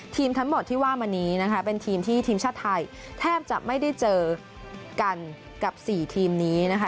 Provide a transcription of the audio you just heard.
ทั้งหมดที่ว่ามานี้นะคะเป็นทีมที่ทีมชาติไทยแทบจะไม่ได้เจอกันกับ๔ทีมนี้นะคะ